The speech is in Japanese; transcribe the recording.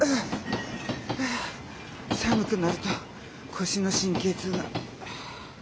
寒くなると腰の神経痛が。